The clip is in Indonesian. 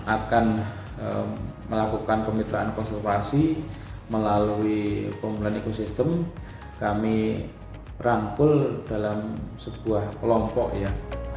akan melakukan kemitraan konservasi melalui pemulihan ekosistem kami rangkul dalam sebuah kelompok ya